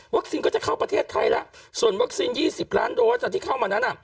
ก็จะเข้าประเทศไทยแล้วส่วนวัคซีน๒๐ล้านโดสที่เข้ามานั้น